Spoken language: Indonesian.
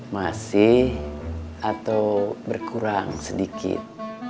masih atau berkurang sedikit